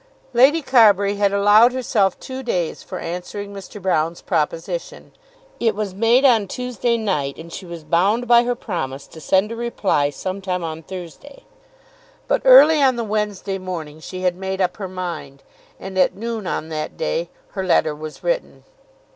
Lady Carbury had allowed herself two days for answering Mr. Broune's proposition. It was made on Tuesday night and she was bound by her promise to send a reply some time on Thursday. But early on the Wednesday morning she had made up her mind; and at noon on that day her letter was written.